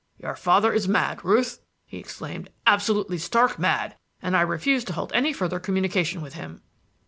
"Your father is mad, Ruth!" he exclaimed; "absolutely stark mad! And I refuse to hold any further communication with him."